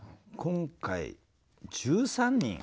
今回１３人。